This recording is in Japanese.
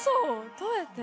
どうやって？